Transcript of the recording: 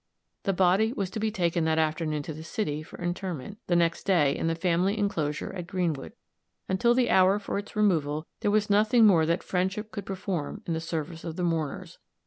The body was to be taken that afternoon to the city for interment, the next day, in the family inclosure at Greenwood; until the hour for its removal, there was nothing more that friendship could perform in the service of the mourners.